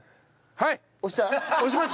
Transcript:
はい。